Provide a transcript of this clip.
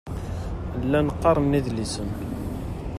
Llan qqaren idlisen.